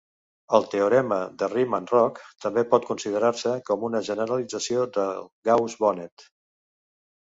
El teorema de Riemann-Roch també por considerar-se com una generalització de Gauss-Bonnet.